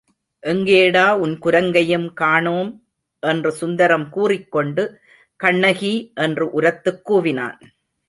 எங்கேடா உன் குரங்கையும் காணோம்? என்று சுந்தரம் கூறிக்கொண்டு கண்ணகி! என்று உரத்துக் கூவினான்.